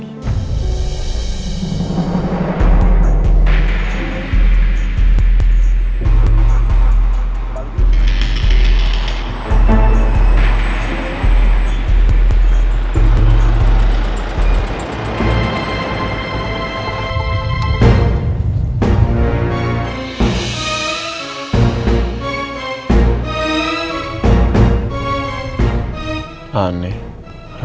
bikin sama panino udah